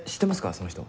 その人。